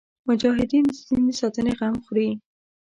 مجاهد د دین د ساتنې غم خوري.